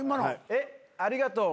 えっありがとう。